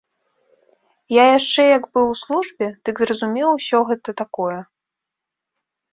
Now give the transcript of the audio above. Я яшчэ як быў у службе, дык зразумеў усё гэта такое.